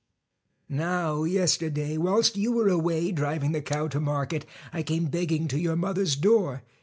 'Now, yesterday, whilst you were away driving the cow to market, I came begging to your mother's door.